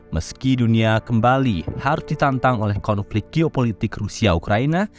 meski dunia kembali harus ditantang oleh konflik geopolitik rusia ukraina